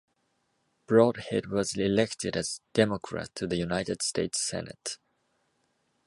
Brodhead was elected as a Democrat to the United States Senate.